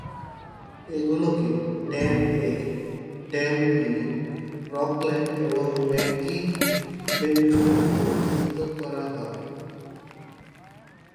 এগুলোকে dam A, dam B, Rockland এবং McGee Bend নামে অভিহিত করা হয়।